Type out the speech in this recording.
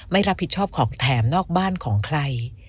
ไม่รับผิดชอบของแถมนอกบ้านของใคร